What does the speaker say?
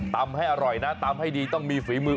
ให้อร่อยนะตำให้ดีต้องมีฝีมือ